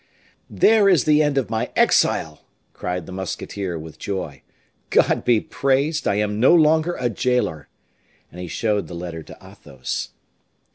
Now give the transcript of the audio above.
"There is the end of my exile!" cried the musketeer with joy; "God be praised, I am no longer a jailer!" And he showed the letter to Athos.